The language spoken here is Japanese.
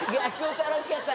超楽しかった！